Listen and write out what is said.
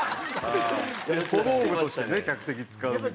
小道具としてね客席使うみたいな。